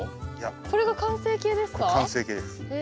これが完成形ですか？